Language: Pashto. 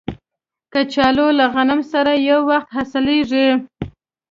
کچالو له غنم سره یو وخت حاصلیږي